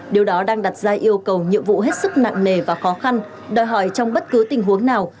điều đó đang đặt ra yêu cầu nhiệm vụ hết sức nặng nề và khó khăn đòi hỏi trong bất cứ tình huống nào